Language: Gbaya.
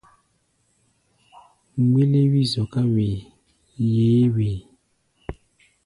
Mgbéléwi zɔká wee, yeé wee.